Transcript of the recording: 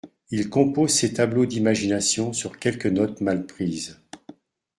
Il compose ses tableaux d'imagination sur quelques notes mal prises.